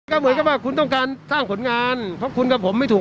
ก็เหมือนกับว่าคุณต้องการสร้างผลงานเพราะคุณกับผมไม่ถูก